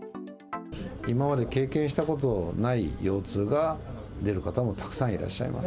今まで経験したことない腰痛が出る方もたくさんいらっしゃいます。